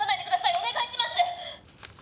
お願いします！